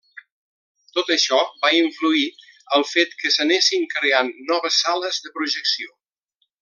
Tot això va influir al fet que s'anessin creant noves sales de projecció.